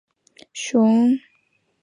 雄鱼一般比雌鱼早熟一年。